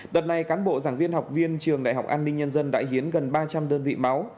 đợt này cán bộ giảng viên học viên trường đại học an ninh nhân dân đã hiến gần ba trăm linh đơn vị máu